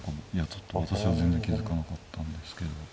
いやちょっと私は全然気付かなかったんですけど。